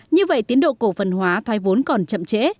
như vậy tiến độ cổ phần hóa thoái vốn còn chậm trễ